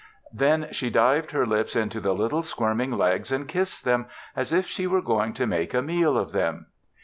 Then she dived her lips into the little squirming legs and kissed them as if she were going to make a meal of them.